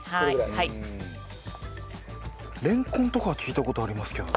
れんこんとかは聞いた事ありますけど。